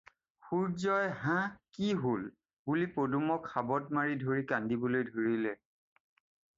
"সূৰ্য্যই "হা কি হ'ল!" বুলি পদুমক সাবট মাৰি ধৰি কান্দিবলৈ ধৰিলে।"